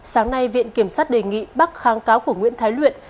sáng nay viện kiểm sát đề nghị bác kháng cáo của nguyễn thái luyện